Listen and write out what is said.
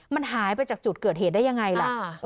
มันหายไปจากจุดเกิดเหตุได้ยังไงล่ะ